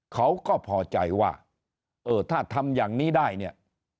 เขาก็พอใจว่าเออถ้าทำอย่างนี้ได้เนี่ย